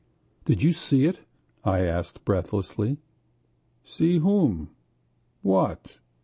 "Did you see it?" I asked breathlessly. "See whom? What?"